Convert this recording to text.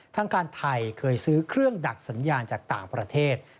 ทางการไทยเคยซื้อเครื่องดักสัญญาณจากต่างประเทศ